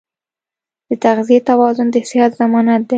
د تغذیې توازن د صحت ضمانت دی.